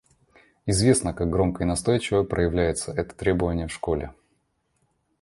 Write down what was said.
Известно, как громко и настойчиво проявляется это требование в школе.